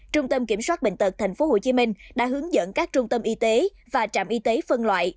trung tâm kiểm soát bệnh tật tp hcm đã hướng dẫn các trung tâm y tế và trạm y tế phân loại